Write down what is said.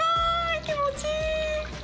気持ちいい！